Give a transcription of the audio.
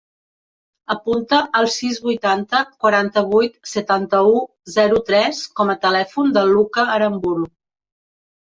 Apunta el sis, vuitanta, quaranta-vuit, setanta-u, zero, tres com a telèfon del Lucca Aramburu.